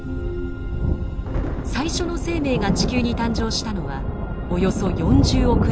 最初の生命が地球に誕生したのはおよそ４０億年前。